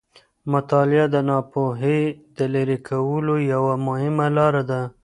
مطالعه د ناپوهي د لیرې کولو یوه مهمه لاره ده.